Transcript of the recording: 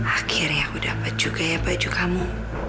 akhirnya aku dapat juga ya baju kamu